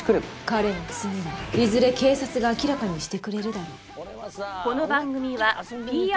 彼の罪はいずれ警察が明らかにしてくれるだろう。